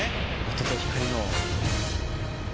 音と光の。